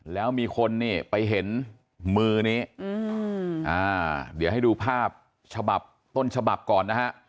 แล้วมีคนนี่ไปเห็นมือนี้เดี๋ยวให้ดูภาพฉบับต้นฉบับก่อนนะฮะ